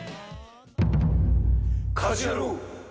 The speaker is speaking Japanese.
『家事ヤロウ！！！』。